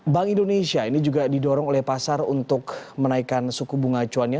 bank indonesia ini juga didorong oleh pasar untuk menaikkan suku bunga acuannya